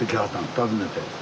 訪ねて。